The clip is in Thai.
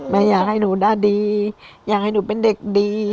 อยากให้หนูหน้าดีอยากให้หนูเป็นเด็กดี